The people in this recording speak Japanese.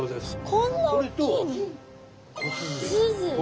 こんな大きいの？